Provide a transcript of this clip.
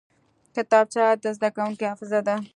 کتابچه د زده کوونکي حافظه ده